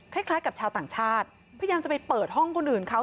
คล้ายกับชาวต่างชาติพยายามจะไปเปิดห้องคนอื่นเขา